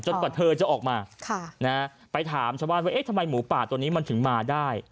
กว่าเธอจะออกมาไปถามชาวบ้านว่าเอ๊ะทำไมหมูป่าตัวนี้มันถึงมาได้